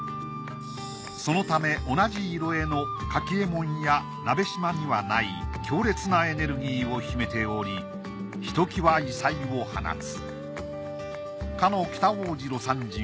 そのため同じ色絵の柿右衛門や鍋島にはない強烈なエネルギーを秘めておりひときわ異彩を放つ。